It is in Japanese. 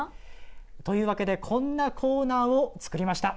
というわけでこんなコーナーを作りました。